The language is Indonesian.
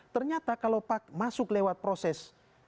ternyata kalau pak masuk lewat proses